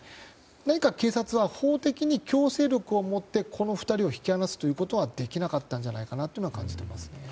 何か警察は法的に強制力を持ってこの２人を引き離すことはできなかったと感じています。